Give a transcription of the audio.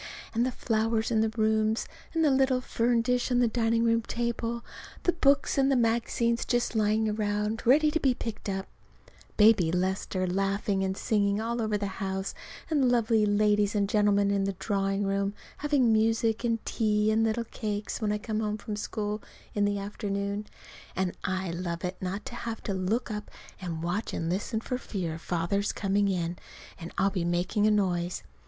And the flowers in the rooms, and the little fern dish on the dining room table, the books and magazines just lying around ready to be picked up; Baby Lester laughing and singing all over the house, and lovely ladies and gentlemen in the drawing room having music and tea and little cakes when I come home from school in the afternoon. And I love it not to have to look up and watch and listen for fear Father's coming in and I'll be making a noise.